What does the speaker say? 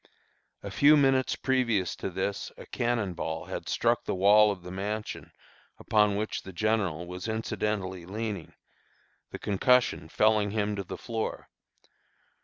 A few minutes previous to this a cannon ball had struck the wall of the mansion upon which the General was incidentally leaning, the concussion felling him to the floor.